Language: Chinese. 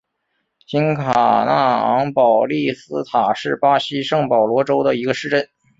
新卡纳昂保利斯塔是巴西圣保罗州的一个市镇。